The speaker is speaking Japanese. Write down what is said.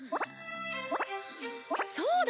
そうだ！